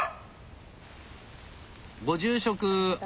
・ご住職！